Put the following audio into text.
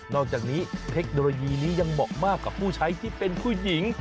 อกจากนี้เทคโนโลยีนี้ยังเหมาะมากกับผู้ใช้ที่เป็นผู้หญิง